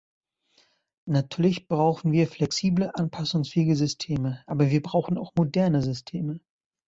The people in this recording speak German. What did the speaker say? Natürlich brauchen wir flexible, anpassungsfähige Systeme, aber wir brauchen auch moderne Systeme.